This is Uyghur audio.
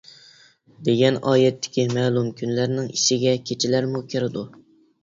دېگەن ئايەتتىكى مەلۇم كۈنلەرنىڭ ئىچىگە كېچىلەرمۇ كىرىدۇ.